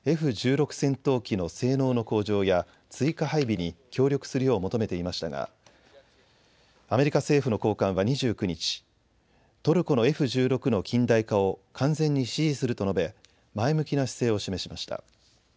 戦闘機の性能の向上や追加配備に協力するよう求めていましたがアメリカ政府の高官は２９日、トルコのＦ１６の近代化を完全に支持すると述べ前向きな姿勢を示しました。